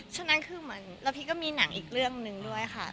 ชนะนั่งคือมันแล้วพี่ก็มีหนังอีกเรื่องนึงด้วยค่ะ